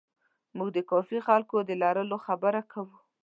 موږ د کافي خلکو د لرلو خبره کوو.